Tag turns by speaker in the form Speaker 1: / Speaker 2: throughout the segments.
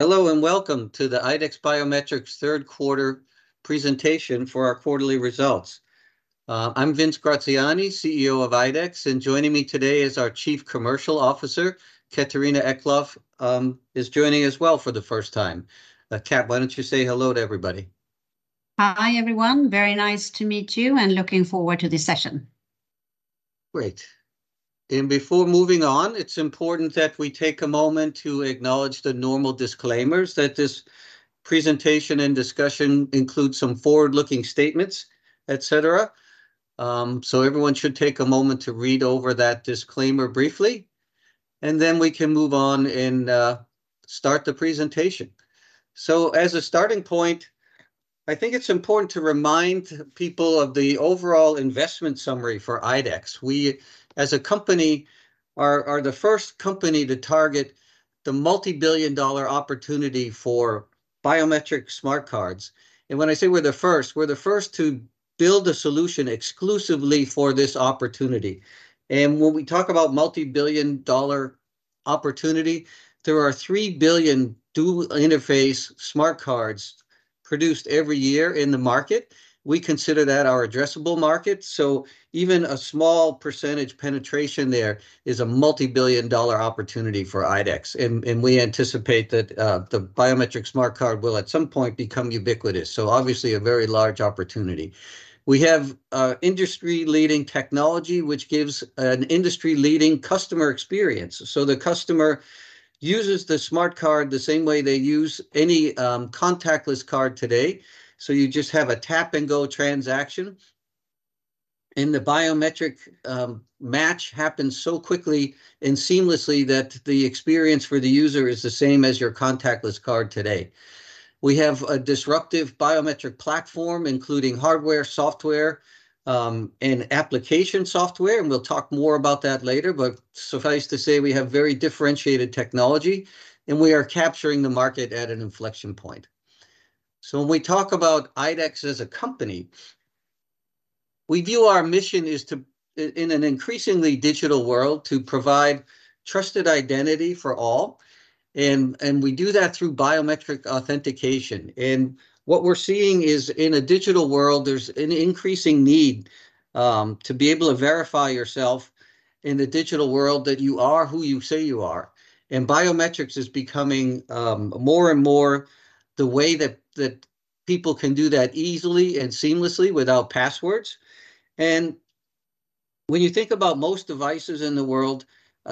Speaker 1: Hello, and welcome to the IDEX Biometrics Third Quarter Presentation for our quarterly results. I'm Vince Graziani, CEO of IDEX, and joining me today is our Chief Commercial Officer, Catharina Eklof, is joining as well for the first time. Cath, why don't you say hello to everybody?
Speaker 2: Hi, everyone. Very nice to meet you, and looking forward to this session.
Speaker 1: Great. And before moving on, it's important that we take a moment to acknowledge the normal disclaimers that this presentation and discussion includes some forward-looking statements, et cetera. So everyone should take a moment to read over that disclaimer briefly, and then we can move on and start the presentation. So as a starting point, I think it's important to remind people of the overall investment summary for IDEX. We, as a company, are the first company to target the multi-billion dollar opportunity for biometric smart cards. And when I say we're the first, we're the first to build a solution exclusively for this opportunity. And when we talk about multi-billion-dollar opportunity, there are 3 billion dual-interface smart cards produced every year in the market. We consider that our addressable market, so even a small percentage penetration there is a multi-billion dollar opportunity for IDEX. And we anticipate that the biometric smart card will, at some point, become ubiquitous, so obviously a very large opportunity. We have industry-leading technology, which gives an industry-leading customer experience. So the customer uses the smart card the same way they use any contactless card today, so you just have a tap-and-go transaction. And the biometric match happens so quickly and seamlessly that the experience for the user is the same as your contactless card today. We have a disruptive biometric platform, including hardware, software, and application software, and we'll talk more about that later, but suffice to say, we have very differentiated technology, and we are capturing the market at an inflection point. So when we talk about IDEX as a company, we view our mission is to in an increasingly digital world to provide trusted identity for all, and we do that through biometric authentication. And what we're seeing is, in a digital world, there's an increasing need to be able to verify yourself in the digital world that you are who you say you are. And biometrics is becoming more and more the way that people can do that easily and seamlessly without passwords. And when you think about most devices in the world,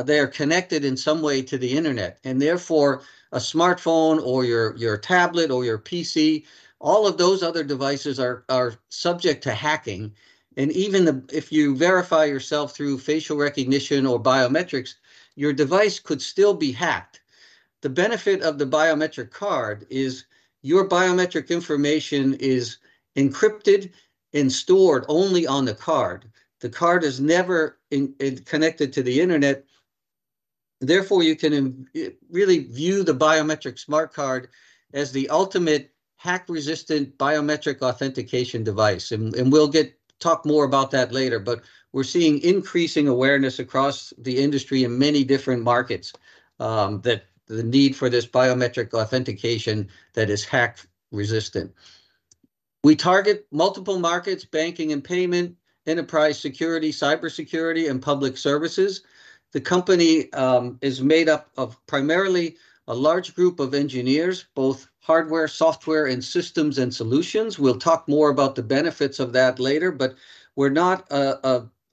Speaker 1: they are connected in some way to the internet, and therefore, a smartphone or your tablet or your PC, all of those other devices are subject to hacking. And if you verify yourself through facial recognition or biometrics, your device could still be hacked. The benefit of the biometric card is your biometric information is encrypted and stored only on the card. The card is never connected to the internet, therefore, you can really view the biometric smart card as the ultimate hack-resistant biometric authentication device. We'll get to talk more about that later. We're seeing increasing awareness across the industry in many different markets that the need for this biometric authentication that is hack-resistant. We target multiple markets, banking and payment, enterprise security, cybersecurity, and public services. The company is made up of primarily a large group of engineers, both hardware, software, and systems and solutions. We'll talk more about the benefits of that later, but we're not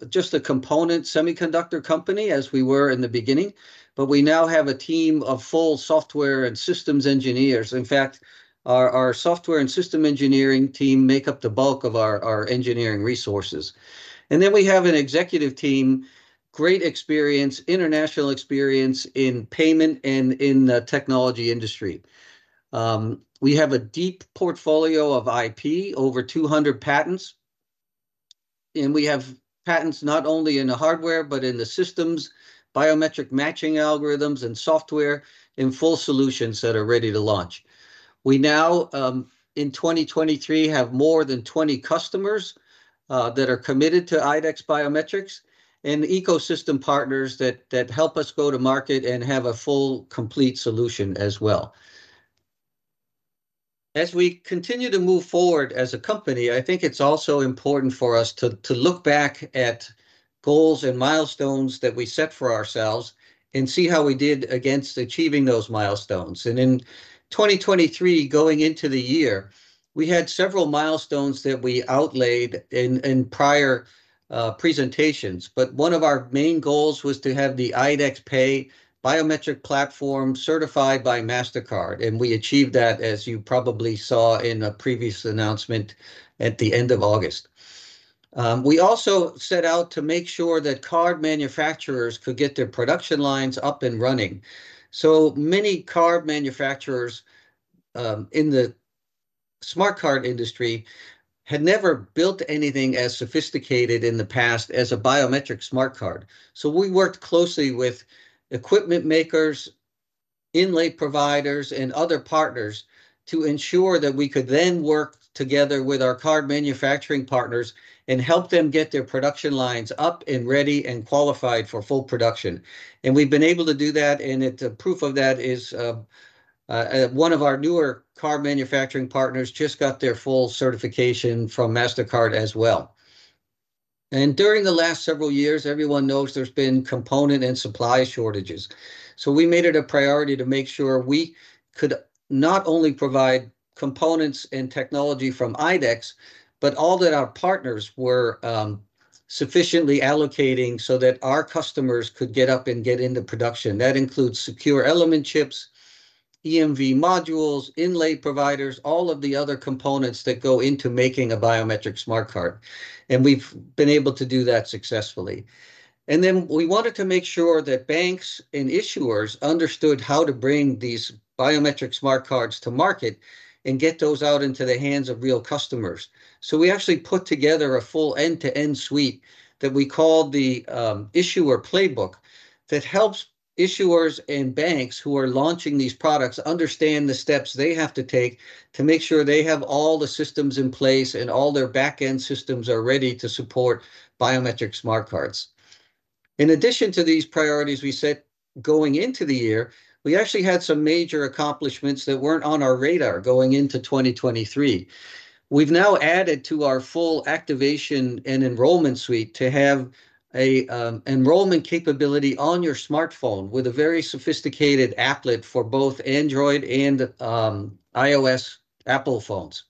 Speaker 1: just a component semiconductor company, as we were in the beginning, but we now have a team of full software and systems engineers. In fact, our software and system engineering team make up the bulk of our engineering resources. And then we have an executive team, great experience, international experience in payment and in the technology industry. We have a deep portfolio of IP, over 200 patents, and we have patents not only in the hardware, but in the systems, biometric matching algorithms and software, and full solutions that are ready to launch. We now, in 2023, have more than 20 customers that are committed to IDEX Biometrics and ecosystem partners that help us go to market and have a full, complete solution as well. As we continue to move forward as a company, I think it's also important for us to look back at goals and milestones that we set for ourselves and see how we did against achieving those milestones. In 2023, going into the year, we had several milestones that we outlined in prior presentations, but one of our main goals was to have the IDEX Pay biometric platform certified by Mastercard, and we achieved that, as you probably saw in a previous announcement at the end of August. We also set out to make sure that card manufacturers could get their production lines up and running. So many card manufacturers in the smart card industry had never built anything as sophisticated in the past as a biometric smart card. So we worked closely with equipment makers, inlay providers, and other partners to ensure that we could then work together with our card manufacturing partners and help them get their production lines up and ready and qualified for full production. And we've been able to do that, and it, the proof of that is, one of our newer card manufacturing partners just got their full certification from Mastercard as well. And during the last several years, everyone knows there's been component and supply shortages, so we made it a priority to make sure we could not only provide components and technology from IDEX, but all that our partners were sufficiently allocating so that our customers could get up and get into production. That includes secure element chips, EMV modules, inlay providers, all of the other components that go into making a biometric smart card, and we've been able to do that successfully. And then we wanted to make sure that banks and issuers understood how to bring these biometric smart cards to market and get those out into the hands of real customers. So we actually put together a full end-to-end suite that we call the Issuer Playbook, that helps issuers and banks who are launching these products understand the steps they have to take to make sure they have all the systems in place, and all their backend systems are ready to support biometric smart cards. In addition to these priorities we set going into the year, we actually had some major accomplishments that weren't on our radar going into 2023. We've now added to our full activation and enrollment suite to have a enrollment capability on your smartphone, with a very sophisticated applet for both Android and iOS Apple phones.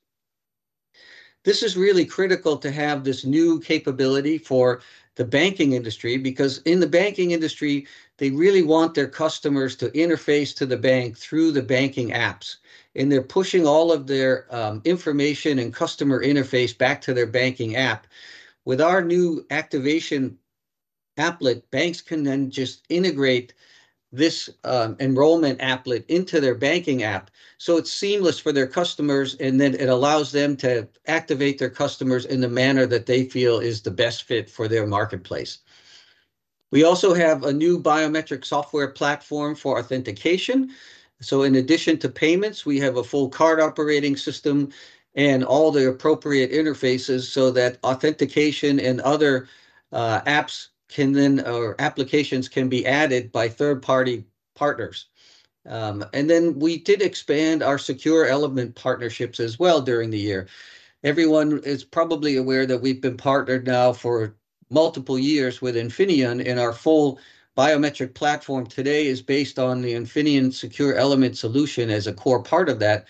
Speaker 1: This is really critical to have this new capability for the banking industry, because in the banking industry, they really want their customers to interface to the bank through the banking apps, and they're pushing all of their information and customer interface back to their banking app. With our new activation applet, banks can then just integrate this enrollment applet into their banking app, so it's seamless for their customers, and then it allows them to activate their customers in the manner that they feel is the best fit for their marketplace. We also have a new biometric software platform for authentication. So in addition to payments, we have a full card operating system and all the appropriate interfaces so that authentication and other apps or applications can be added by third-party partners. And then we did expand our Secure Element partnerships as well during the year. Everyone is probably aware that we've been partnered now for multiple years with Infineon, and our full biometric platform today is based on the Infineon Secure Element solution as a core part of that.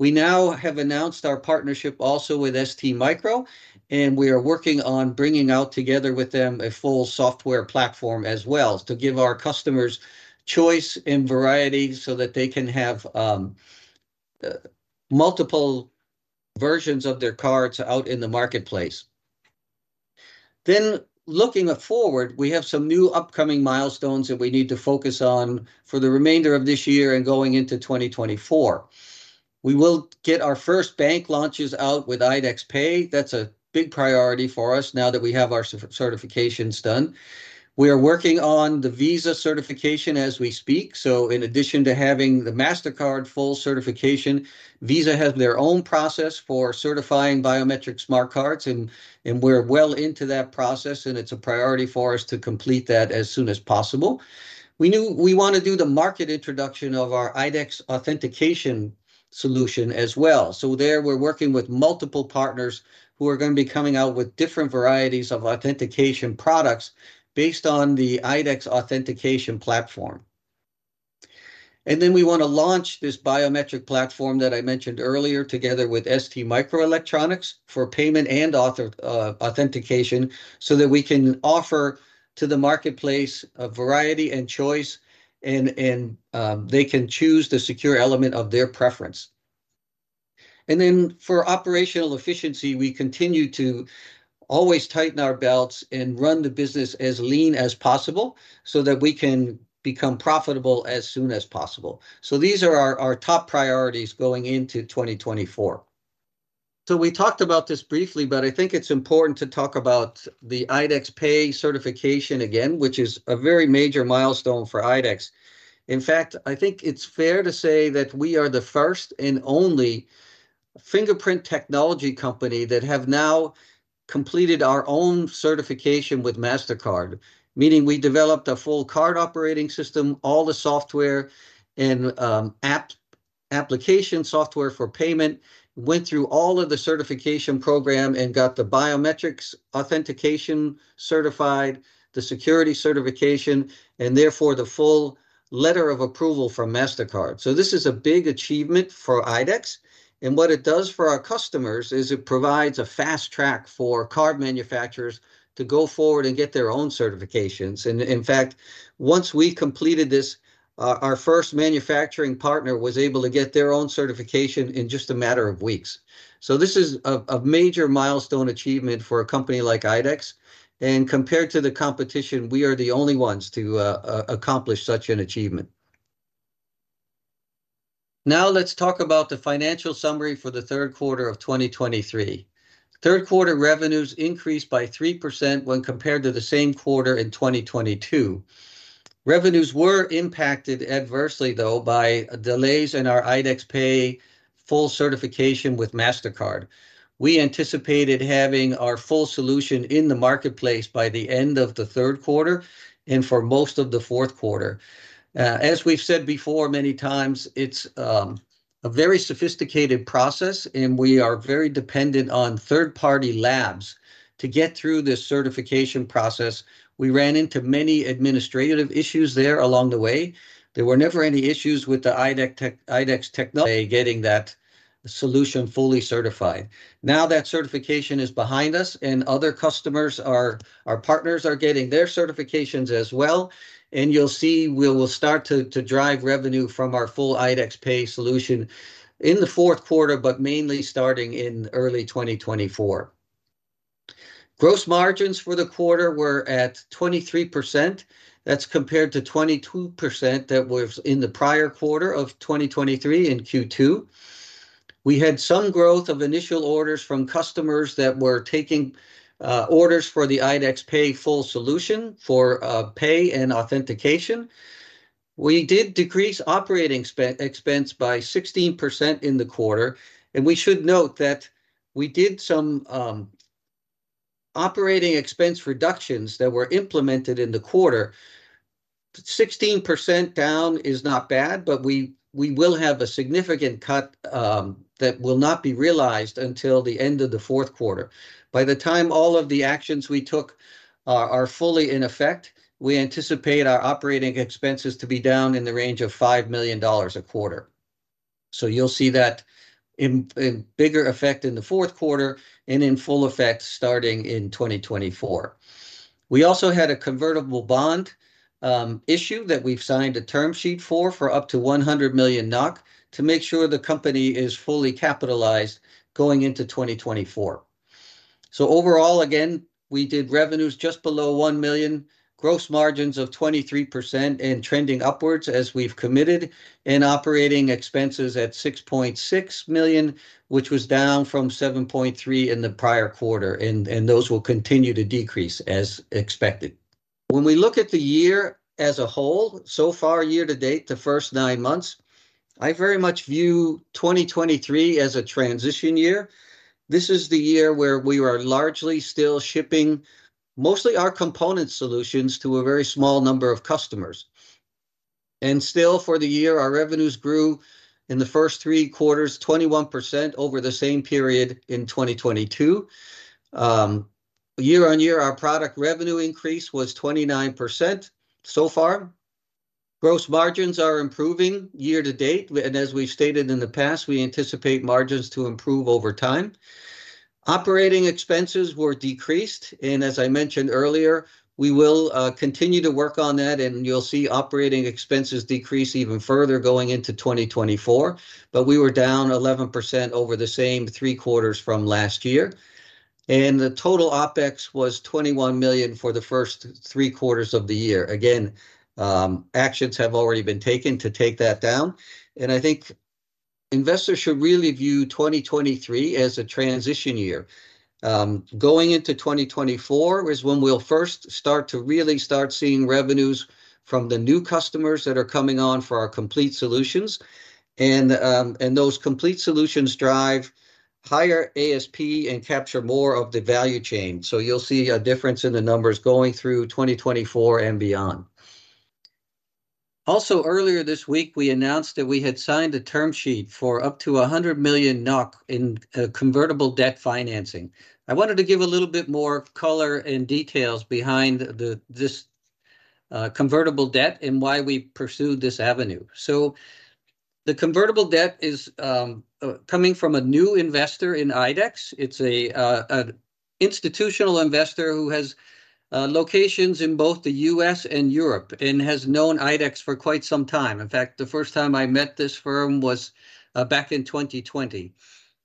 Speaker 1: We now have announced our partnership also with STMicro, and we are working on bringing out together with them a full software platform as well, to give our customers choice and variety so that they can have multiple versions of their cards out in the marketplace. Then, looking forward, we have some new upcoming milestones that we need to focus on for the remainder of this year and going into 2024. We will get our first bank launches out with IDEX Pay. That's a big priority for us now that we have our certifications done. We are working on the Visa certification as we speak. So in addition to having the Mastercard full certification, Visa has their own process for certifying biometric smart cards, and we're well into that process, and it's a priority for us to complete that as soon as possible. We knew we want to do the market introduction of our IDEX authentication solution as well. So there, we're working with multiple partners who are going to be coming out with different varieties of authentication products based on the IDEX authentication platform. And then we want to launch this biometric platform that I mentioned earlier, together with STMicroelectronics, for payment and authentication, so that we can offer to the marketplace a variety and choice, and they can choose the secure element of their preference. Then for operational efficiency, we continue to always tighten our belts and run the business as lean as possible so that we can become profitable as soon as possible. These are our top priorities going into 2024. We talked about this briefly, but I think it's important to talk about the IDEX Pay certification again, which is a very major milestone for IDEX. In fact, I think it's fair to say that we are the first and only fingerprint technology company that have now completed our own certification with Mastercard, meaning we developed a full card operating system, all the software and application software for payment, went through all of the certification program and got the biometrics authentication certified, the security certification, and therefore, the full letter of approval from Mastercard. So this is a big achievement for IDEX, and what it does for our customers is it provides a fast track for card manufacturers to go forward and get their own certifications. And, in fact, once we completed this, our first manufacturing partner was able to get their own certification in just a matter of weeks. So this is a major milestone achievement for a company like IDEX, and compared to the competition, we are the only ones to accomplish such an achievement. Now let's talk about the financial summary for the third quarter of 2023. Third quarter revenues increased by 3% when compared to the same quarter in 2022. Revenues were impacted adversely, though, by delays in our IDEX Pay full certification with Mastercard. We anticipated having our full solution in the marketplace by the end of the third quarter and for most of the fourth quarter. As we've said before many times, it's a very sophisticated process, and we are very dependent on third-party labs to get through this certification process. We ran into many administrative issues there along the way. There were never any issues with the IDEX technology getting that solution fully certified. Now that certification is behind us, and other customers, our partners are getting their certifications as well, and you'll see we will start to drive revenue from our full IDEX Pay solution in the fourth quarter, but mainly starting in early 2024. Gross margins for the quarter were at 23%. That's compared to 22% that was in the prior quarter of 2023 in Q2. We had some growth of initial orders from customers that were taking orders for the IDEX Pay full solution for pay and authentication. We did decrease operating expense by 16% in the quarter, and we should note that we did some operating expense reductions that were implemented in the quarter. 16% down is not bad, but we will have a significant cut that will not be realized until the end of the fourth quarter. By the time all of the actions we took are fully in effect, we anticipate our operating expenses to be down in the range of $5 million a quarter. So you'll see that in bigger effect in the fourth quarter and in full effect starting in 2024. We also had a convertible bond issue that we've signed a term sheet for, for up to 100 million NOK to make sure the company is fully capitalized going into 2024. So overall, again, we did revenues just below 1 million, gross margins of 23% and trending upwards, as we've committed, and operating expenses at 6.6 million, which was down from 7.3 million in the prior quarter, and those will continue to decrease as expected. When we look at the year as a whole, so far, year-to-date, the first nine months, I very much view 2023 as a transition year. This is the year where we are largely still shipping mostly our component solutions to a very small number of customers. And still, for the year, our revenues grew in the first three quarters, 21% over the same period in 2022. Year-on-year, our product revenue increase was 29%. So far, gross margins are improving year-to-date, and as we've stated in the past, we anticipate margins to improve over time. Operating expenses were decreased, and as I mentioned earlier, we will continue to work on that, and you'll see operating expenses decrease even further going into 2024. But we were down 11% over the same three quarters from last year, and the total OpEx was 21 million for the first three quarters of the year. Again, actions have already been taken to take that down, and I think investors should really view 2023 as a transition year. Going into 2024 is when we'll first start to really start seeing revenues from the new customers that are coming on for our complete solutions. Those complete solutions drive higher ASP and capture more of the value chain. So you'll see a difference in the numbers going through 2024 and beyond. Also, earlier this week, we announced that we had signed a term sheet for up to 100 million NOK in convertible debt financing. I wanted to give a little bit more color and details behind this convertible debt and why we pursued this avenue. So the convertible debt is coming from a new investor in IDEX. It's an institutional investor who has locations in both the U.S. and Europe and has known IDEX for quite some time. In fact, the first time I met this firm was back in 2020.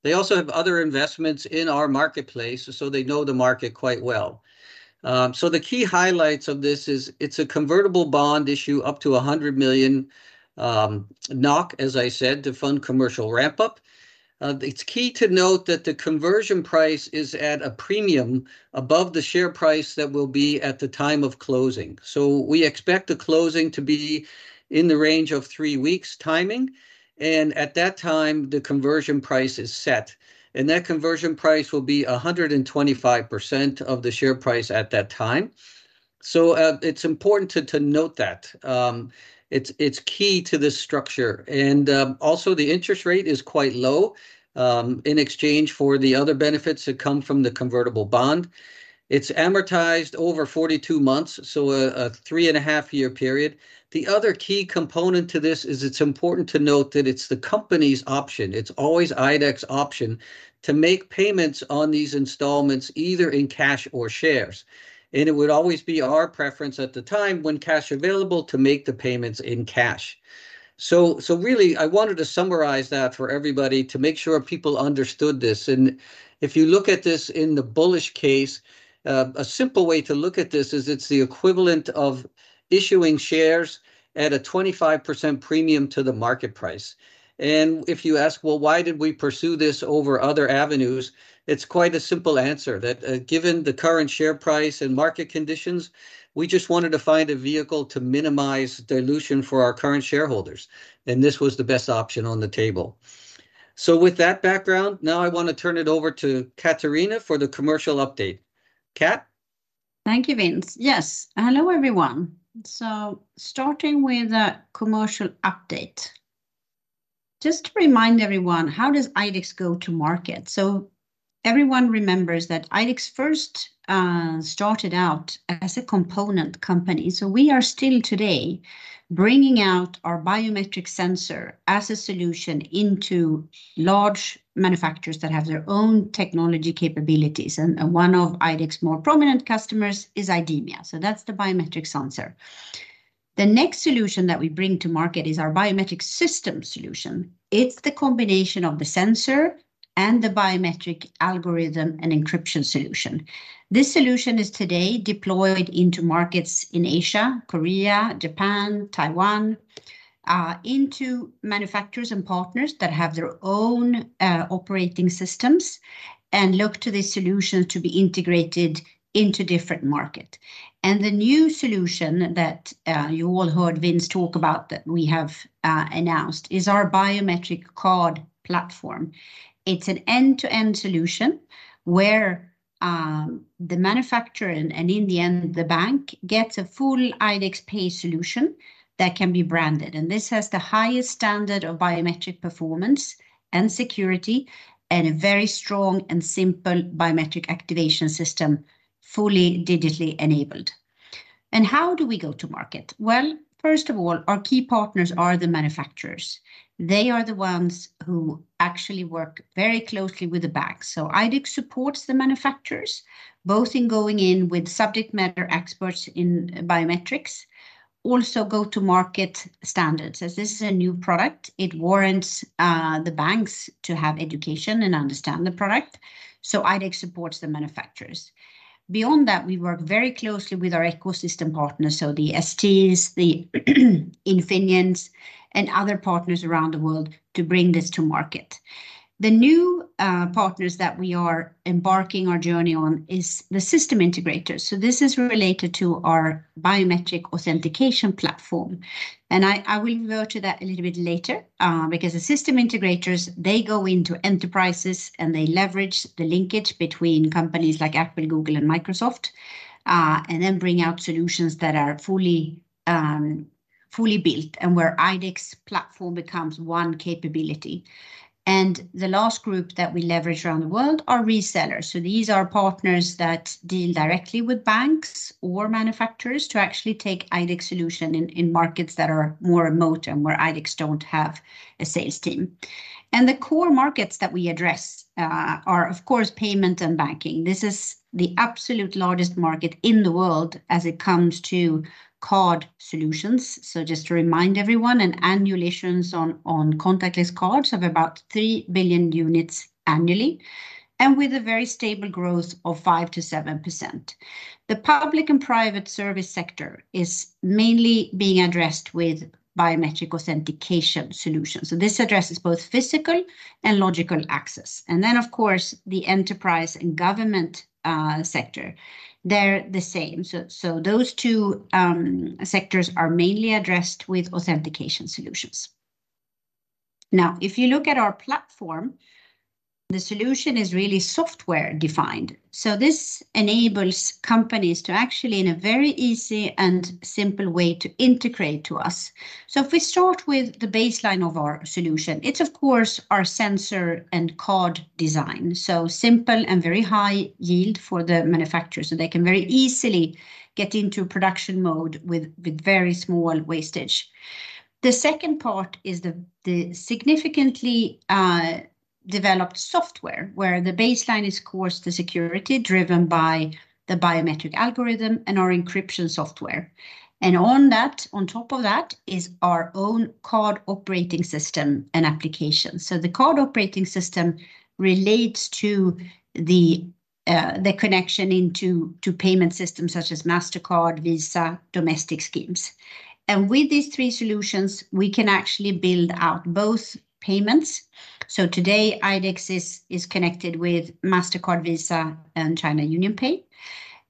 Speaker 1: They also have other investments in our marketplace, so they know the market quite well. So the key highlights of this is it's a convertible bond issue, up to 100 million NOK, as I said, to fund commercial ramp-up. It's key to note that the conversion price is at a premium above the share price that will be at the time of closing. So we expect the closing to be in the range of three weeks timing, and at that time, the conversion price is set, and that conversion price will be 125% of the share price at that time. So, it's important to note that, it's key to this structure. Also, the interest rate is quite low, in exchange for the other benefits that come from the convertible bond. It's amortized over 42 months, so a three-and-a-half-year period. The other key component to this is it's important to note that it's the company's option, it's always IDEX option, to make payments on these installments, either in cash or shares. And it would always be our preference at the time, when cash available, to make the payments in cash. So really, I wanted to summarise that for everybody to make sure people understood this. And if you look at this in the bullish case, a simple way to look at this is it's the equivalent of issuing shares at a 25% premium to the market price. If you ask, "Well, why did we pursue this over other avenues?" It's quite a simple answer, that, given the current share price and market conditions, we just wanted to find a vehicle to minimize dilution for our current shareholders, and this was the best option on the table. So with that background, now I want to turn it over to Catharina for the commercial update.... Cath?
Speaker 2: Thank you, Vince. Yes. Hello, everyone. So starting with a commercial update, just to remind everyone, how does IDEX go to market? So everyone remembers that IDEX first started out as a component company. So we are still today bringing out our biometric sensor as a solution into large manufacturers that have their own technology capabilities, and one of IDEX's more prominent customers is IDEMIA. So that's the biometric sensor. The next solution that we bring to market is our biometric system solution. It's the combination of the sensor and the biometric algorithm and encryption solution. This solution is today deployed into markets in Asia, Korea, Japan, Taiwan into manufacturers and partners that have their own operating systems and look to this solution to be integrated into different market. The new solution that you all heard Vince talk about, that we have announced, is our biometric card platform. It's an end-to-end solution, where the manufacturer, and in the end, the bank, gets a full IDEX Pay solution that can be branded. And this has the highest standard of biometric performance and security, and a very strong and simple biometric activation system, fully digitally enabled. And how do we go to market? Well, first of all, our key partners are the manufacturers. They are the ones who actually work very closely with the banks. So IDEX supports the manufacturers, both in going in with subject matter experts in biometrics, also go-to-market standards. As this is a new product, it warrants the banks to have education and understand the product, so IDEX supports the manufacturers. Beyond that, we work very closely with our ecosystem partners, so the STs, the Infineons, and other partners around the world to bring this to market. The new partners that we are embarking our journey on is the system integrators, so this is related to our biometric authentication platform. And I, I will go to that a little bit later, because the system integrators, they go into enterprises, and they leverage the linkage between companies like Apple, Google, and Microsoft, and then bring out solutions that are fully, fully built, and where IDEX platform becomes one capability. And the last group that we leverage around the world are resellers. So these are partners that deal directly with banks or manufacturers to actually take IDEX solution in markets that are more remote and where IDEX don't have a sales team. The core markets that we address are, of course, payment and banking. This is the absolute largest market in the world as it comes to card solutions. So just to remind everyone, annualizations on contactless cards of about 3 billion units annually, and with a very stable growth of 5%-7%. The public and private service sector is mainly being addressed with biometric authentication solutions, so this addresses both physical and logical access. Then, of course, the enterprise and government sector, they're the same. So those two sectors are mainly addressed with authentication solutions. Now, if you look at our platform, the solution is really software-defined, so this enables companies to actually, in a very easy and simple way, to integrate to us. So if we start with the baseline of our solution, it's of course our sensor and card design, so simple and very high yield for the manufacturer, so they can very easily get into production mode with very small wastage. The second part is the significantly developed software, where the baseline is, of course, the security driven by the biometric algorithm and our encryption software. And on that, on top of that, is our own card operating system and application. So the card operating system relates to the connection into payment systems such as Mastercard, Visa, domestic schemes. And with these three solutions, we can actually build out both payments, so today, IDEX is connected with Mastercard, Visa, and China UnionPay,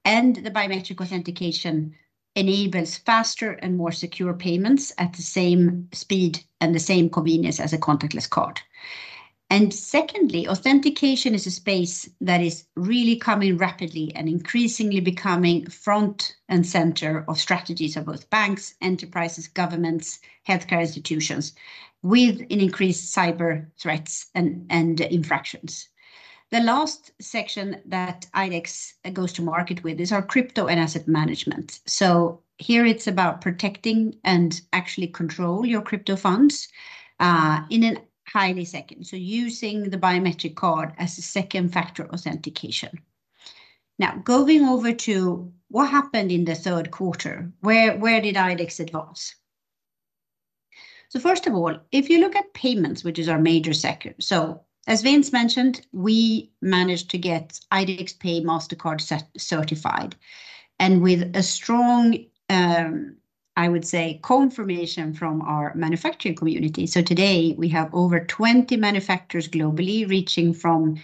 Speaker 2: and the biometric authentication enables faster and more secure payments at the same speed and the same convenience as a contactless card. Secondly, authentication is a space that is really coming rapidly and increasingly becoming front and center of strategies of both banks, enterprises, governments, healthcare institutions, with an increased cyber threats and infractions. The last section that IDEX goes to market with is our crypto and asset management. So here, it's about protecting and actually control your crypto funds in a highly second, so using the biometric card as a second-factor authentication. Now, going over to what happened in the third quarter, where did IDEX advance? So first of all, if you look at payments, which is our major sector, so as Vince mentioned, we managed to get IDEX Pay Mastercard certified, and with a strong, I would say, confirmation from our manufacturing community. So today, we have over 20 manufacturers globally, reaching from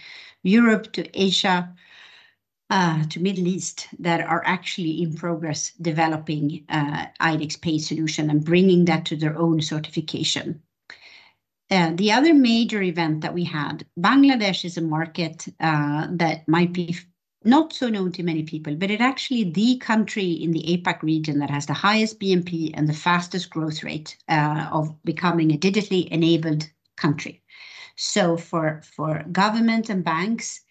Speaker 2: Europe to Asia, to Middle East, that are actually in progress developing IDEX Pay solution and bringing that to their own certification. The other major event that we had, Bangladesh is a market that might be not so known to many people, but it actually the country in the APAC region that has the highest BMP and the fastest growth rate of becoming a digitally enabled country. So for government and banks,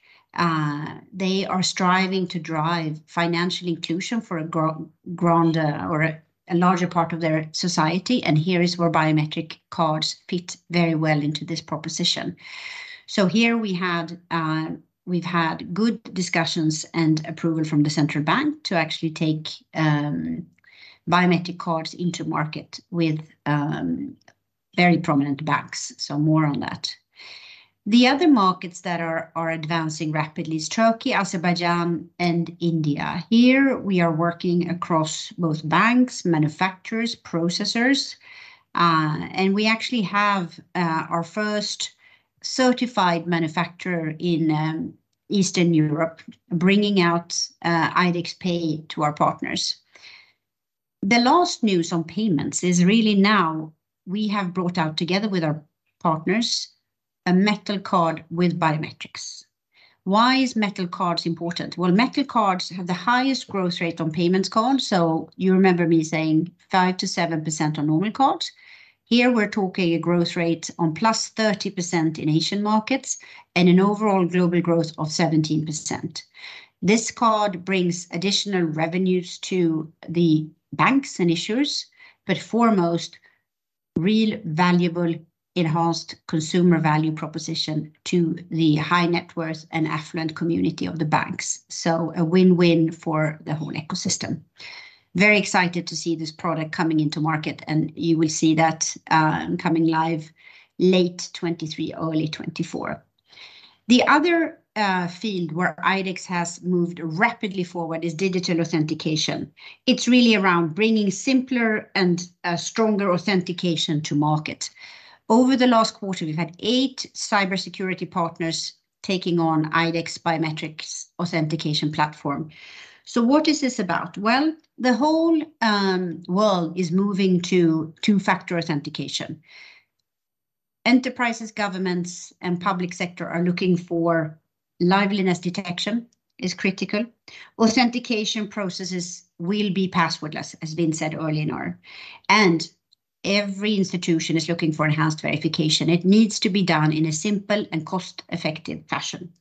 Speaker 2: they are striving to drive financial inclusion for a grander or a larger part of their society, and here is where biometric cards fit very well into this proposition. So here we had, we've had good discussions and approval from the central bank to actually take biometric cards into market with very prominent banks, so more on that. The other markets that are advancing rapidly is Turkey, Azerbaijan, and India. Here, we are working across both banks, manufacturers, processors, and we actually have our first certified manufacturer in Eastern Europe, bringing out IDEX Pay to our partners. The last news on payments is really now we have brought out, together with our partners, a metal card with biometrics. Why is metal cards important? Well, metal cards have the highest growth rate on payments cards, so you remember me saying 5%-7% on normal cards. Here, we're talking a growth rate of +30% in Asian markets and an overall global growth of 17%. This card brings additional revenues to the banks and issuers, but foremost, real valuable, enhanced consumer value proposition to the high net worth and affluent community of the banks, so a win-win for the whole ecosystem. Very excited to see this product coming into market, and you will see that, coming live late 2023, early 2024. The other field where IDEX has moved rapidly forward is digital authentication. It's really around bringing simpler and stronger authentication to market. Over the last quarter, we've had eight cybersecurity partners taking on IDEX Biometrics authentication platform. So what is this about? Well, the whole world is moving to two-factor authentication. Enterprises, governments, and public sector are looking for liveness detection, is critical. Authentication processes will be passwordless, as been said earlier, and every institution is looking for enhanced verification. It needs to be done in a simple and cost-effective fashion.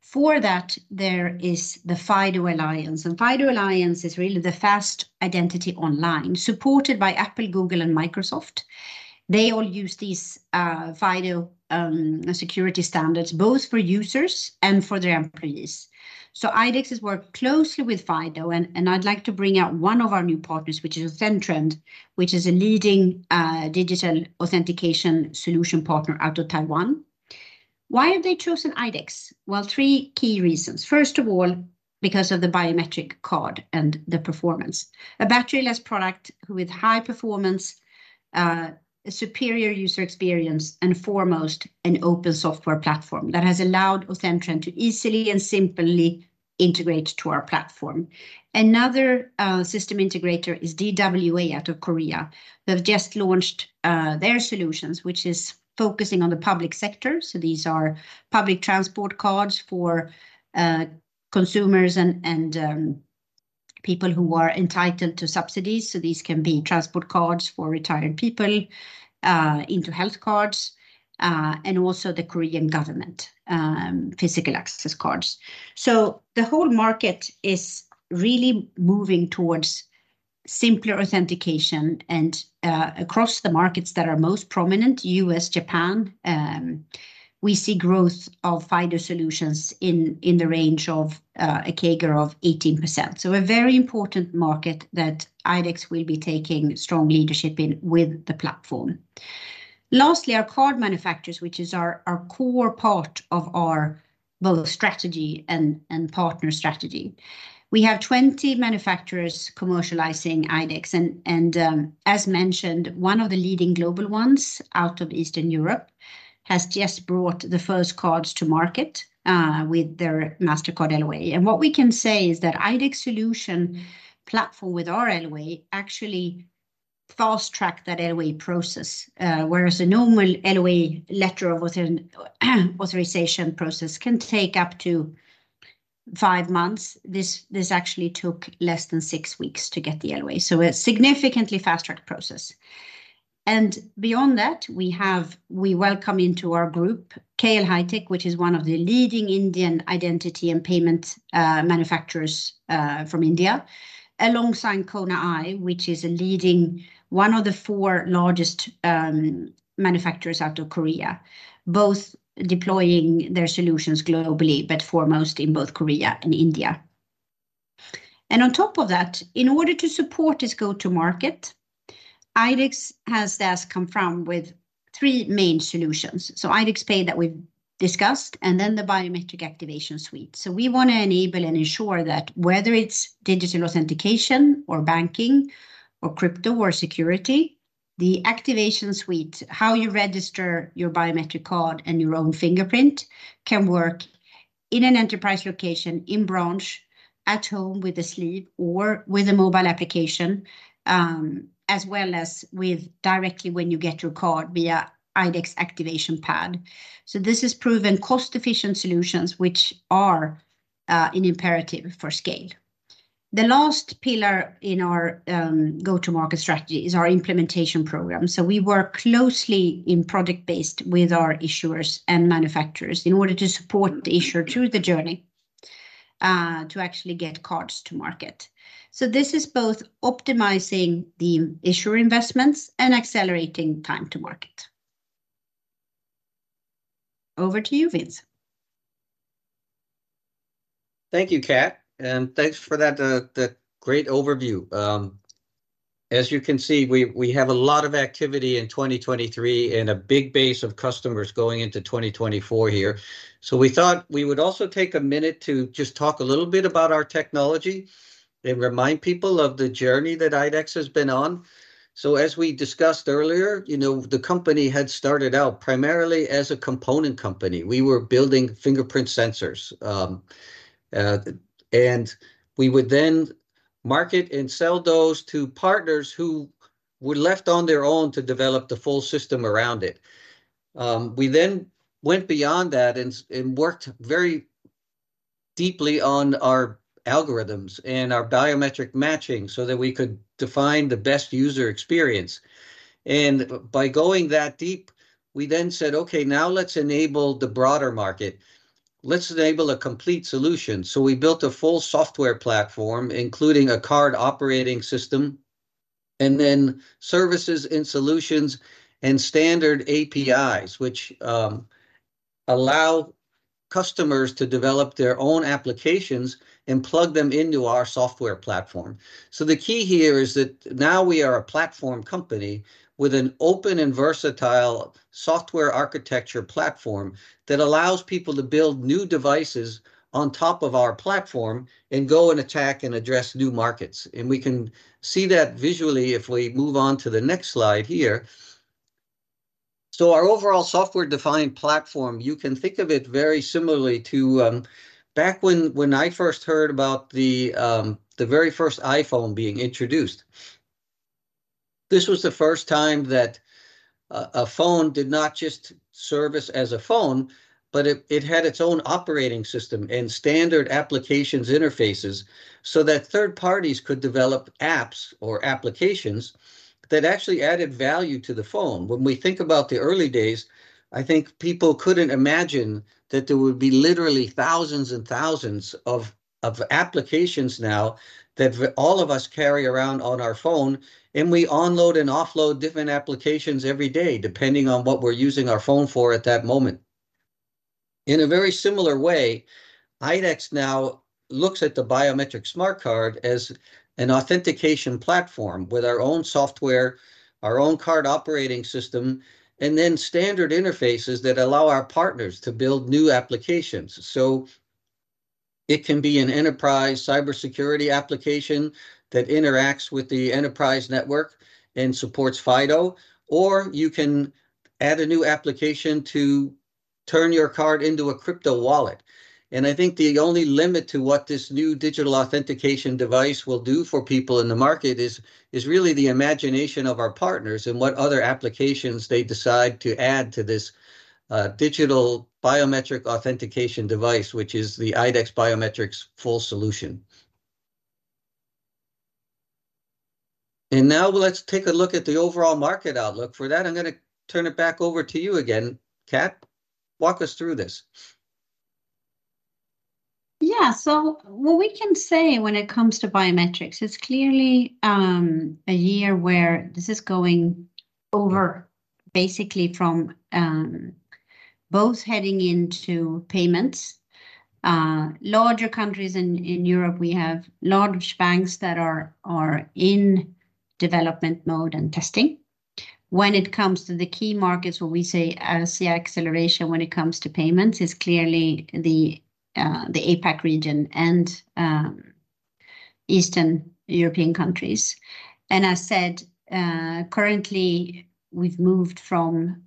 Speaker 2: For that, there is the FIDO Alliance, and FIDO Alliance is really the fast identity online, supported by Apple, Google, and Microsoft. They all use these FIDO security standards, both for users and for their employees. So IDEX has worked closely with FIDO, and I'd like to bring out one of our new partners, which is AuthenTrend, which is a leading digital authentication solution partner out of Taiwan. Why have they chosen IDEX? Well, three key reasons. First of all, because of the biometric card and the performance. A batteryless product with high performance, superior user experience, and foremost, an open software platform that has allowed AuthenTrend to easily and simply integrate to our platform. Another system integrator is DWA out of Korea. They've just launched their solutions, which is focusing on the public sector, so these are public transport cards for consumers and people who are entitled to subsidies, so these can be transport cards for retired people into health cards and also the Korean government physical access cards. So the whole market is really moving towards simpler authentication and across the markets that are most prominent, U.S., Japan, we see growth of FIDO solutions in the range of a CAGR of 18%. So a very important market that IDEX will be taking strong leadership in with the platform. Lastly, our card manufacturers, which is our core part of our both strategy and partner strategy. We have 20 manufacturers commercializing IDEX, as mentioned, one of the leading global ones out of Eastern Europe has just brought the first cards to market with their Mastercard LOA. What we can say is that IDEX solution platform with our LOA actually fast-tracked that LOA process, whereas a normal LOA, letter of approval process, can take up to 5 months. This actually took less than six weeks to get the LOA, so a significantly fast-tracked process. Beyond that, we welcome into our group KL Hi-Tech, which is one of the leading Indian identity and payment manufacturers from India, alongside Kona I, which is a leading, one of the four largest manufacturers out of Korea, both deploying their solutions globally, but foremost in both Korea and India. On top of that, in order to support this go-to-market, IDEX has thus come from with three main solutions. So IDEX Pay that we've discussed, and then the biometric activation suite. So we wanna enable and ensure that whether it's digital authentication or banking or crypto or security, the activation suite, how you register your biometric card and your own fingerprint, can work in an enterprise location, in branch, at home with a sleeve or with a mobile application... as well as directly when you get your card via IDEX activation pad. So this is proven cost-efficient solutions, which are an imperative for scale. The last pillar in our go-to-market strategy is our implementation program. So we work closely in product-based with our issuers and manufacturers in order to support the issuer through the journey to actually get cards to market. This is both optimizing the issuer investments and accelerating time to market. Over to you, Vince.
Speaker 1: Thank you, Cath, and thanks for that great overview. As you can see, we have a lot of activity in 2023 and a big base of customers going into 2024 here. So we thought we would also take a minute to just talk a little bit about our technology and remind people of the journey that IDEX has been on. So as we discussed earlier, you know, the company had started out primarily as a component company. We were building fingerprint sensors, and we would then market and sell those to partners who were left on their own to develop the full system around it. We then went beyond that and worked very deeply on our algorithms and our biometric matching so that we could define the best user experience. By going that deep, we then said, "Okay, now let's enable the broader market. Let's enable a complete solution." We built a full software platform, including a card operating system, and then services and solutions and standard APIs, which allow customers to develop their own applications and plug them into our software platform. The key here is that now we are a platform company with an open and versatile software architecture platform that allows people to build new devices on top of our platform and go and attack and address new markets, and we can see that visually if we move on to the next slide here. Our overall software-defined platform, you can think of it very similarly to back when I first heard about the very first iPhone being introduced. This was the first time that a phone did not just serve as a phone, but it had its own operating system and standard applications interfaces so that third parties could develop apps or applications that actually added value to the phone. When we think about the early days, I think people couldn't imagine that there would be literally thousands and thousands of applications now that all of us carry around on our phone, and we onload and offload different applications every day, depending on what we're using our phone for at that moment. In a very similar way, IDEX now looks at the biometric smart card as an authentication platform with our own software, our own card operating system, and then standard interfaces that allow our partners to build new applications. So it can be an enterprise cybersecurity application that interacts with the enterprise network and supports FIDO, or you can add a new application to turn your card into a crypto wallet. And I think the only limit to what this new digital authentication device will do for people in the market is really the imagination of our partners and what other applications they decide to add to this, digital biometric authentication device, which is the IDEX Biometrics full solution. And now let's take a look at the overall market outlook. For that, I'm gonna turn it back over to you again, Cath. Walk us through this.
Speaker 2: Yeah. So what we can say when it comes to biometrics, it's clearly a year where this is going over basically from both heading into payments. Larger countries in Europe, we have large banks that are in development mode and testing. When it comes to the key markets, where we say see acceleration when it comes to payments, is clearly the the APAC region and Eastern European countries. And I said, currently, we've moved from...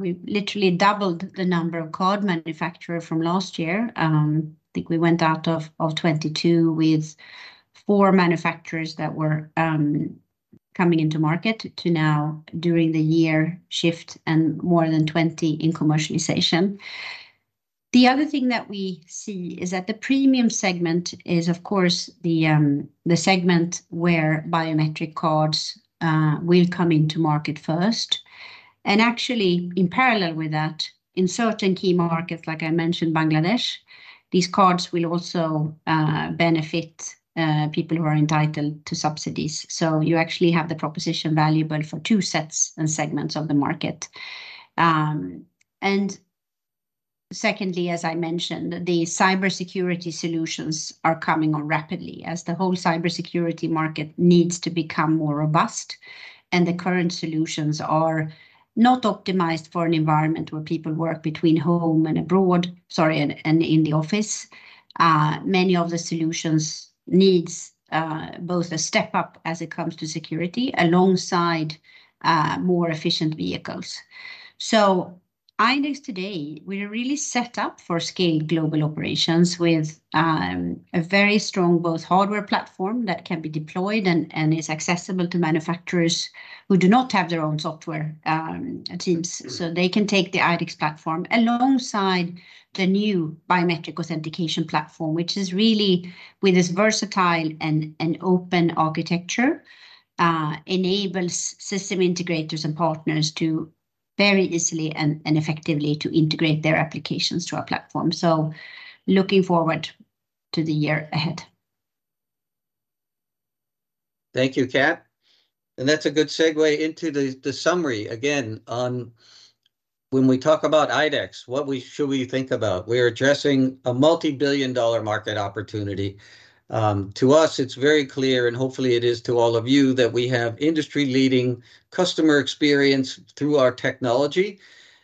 Speaker 2: we've literally doubled the number of card manufacturer from last year. I think we went out of 22 with four manufacturers that were coming into market to now, during the year shift, and more than 20 in commercialization. The other thing that we see is that the premium segment is, of course, the, the segment where biometric cards will come into market first. And actually, in parallel with that, in certain key markets, like I mentioned, Bangladesh, these cards will also benefit people who are entitled to subsidies. So you actually have the proposition valuable for two sets and segments of the market. And secondly, as I mentioned, the cybersecurity solutions are coming on rapidly, as the whole cybersecurity market needs to become more robust, and the current solutions are not optimized for an environment where people work between home and abroad, sorry, and, and in the office. Many of the solutions needs both a step up as it comes to security, alongside more efficient vehicles. So IDEX today, we're really set up for scale global operations with a very strong both hardware platform that can be deployed and is accessible to manufacturers who do not have their own software teams. So they can take the IDEX platform alongside the new biometric authentication platform, which is really with this versatile and open architecture, enables system integrators and partners to very easily and effectively to integrate their applications to our platform. So looking forward to the year ahead.
Speaker 1: Thank you, Cath, and that's a good segue into the summary. Again, when we talk about IDEX, what should we think about? We're addressing a multi-billion dollar market opportunity. To us, it's very clear, and hopefully, it is to all of you, that we have industry-leading customer experience through our technology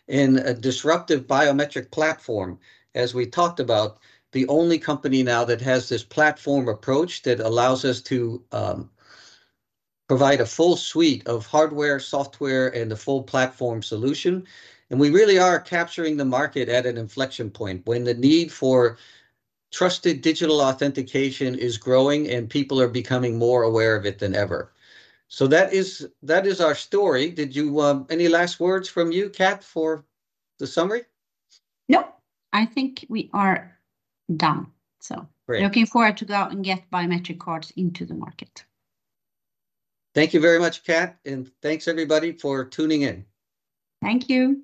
Speaker 1: and a disruptive biometric platform. As we talked about, the only company now that has this platform approach that allows us to provide a full suite of hardware, software, and the full platform solution, and we really are capturing the market at an inflection point, when the need for trusted digital authentication is growing, and people are becoming more aware of it than ever. So that is, that is our story. Did you any last words from you, Cath, for the summary?
Speaker 2: Nope. I think we are done, so-
Speaker 1: Great...
Speaker 2: looking forward to go out and get biometric cards into the market.
Speaker 1: Thank you very much, Cath, and thanks, everybody, for tuning in.
Speaker 2: Thank you.